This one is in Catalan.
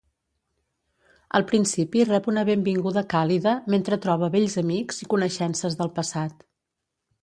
Al principi rep una benvinguda càlida mentre troba vells amics i coneixences del passat.